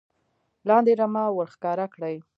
لاندې رمه ور ښکاره کړي .